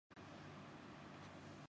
جہاں شور اور ٹریفک برائے نام تھی۔